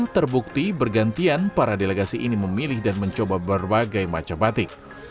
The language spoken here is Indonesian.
terbukti bergantian para delegasi ini memilih dan mencoba berbagai macam batik